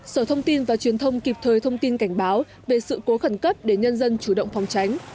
sở thông tin và truyền thông kịp thời thông tin cảnh báo về sự cố khẩn cấp để nhân dân chủ động phòng tránh